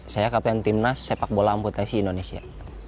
saya kapten timnas sepak bola amputasi indonesia